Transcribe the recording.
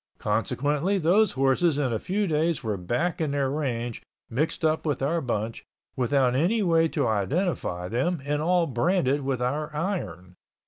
Consequently those horses in a few days were back on their range mixed up with our bunch without any way to identify them and all branded with our iron.